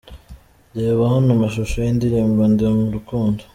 Reba Hano amashusho y’indirimbo “Ndi Mu Rukundo”:.